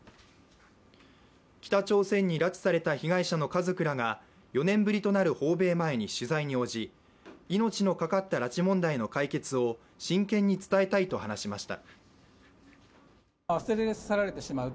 北朝鮮に拉致された被害者の家族らが４年ぶりとなる訪米前に取材に応じ命のかかった拉致問題の解決を真剣に伝えたいと話しました。